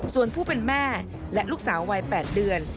ส่วนผู้เป็นแม่และลูกสาววัย๘เดือน